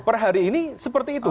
per hari ini seperti itu